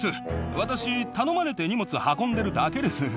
私、頼まれて荷物、運んでるだけです。